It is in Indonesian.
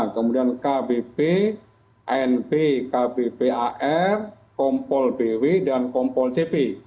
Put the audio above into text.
kemudian kbp np kbpar kompol bw dan kompol cp